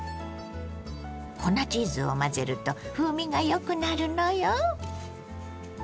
粉チーズを混ぜると風味がよくなるのよ。